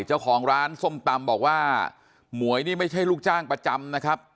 เจ้าของร้านส้มตำบอกว่าหมวยนี่ไม่ใช่ลูกจ้างประจำนะครับ